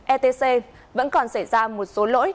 etc vẫn còn xảy ra một số lỗi